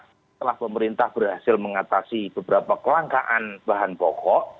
setelah pemerintah berhasil mengatasi beberapa kelangkaan bahan pokok